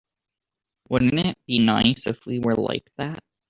Wouldn't it be nice if we were like that?